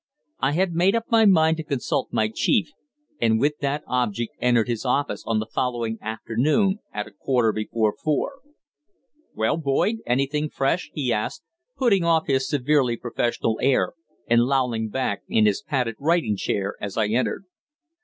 I had made up my mind to consult my chief, and with that object entered his room on the following afternoon at a quarter before four. "Well, Boyd, anything fresh?" he asked, putting off his severely professional air and lolling back in his padded writing chair as I entered.